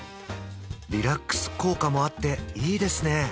リラックス効果もあっていいですね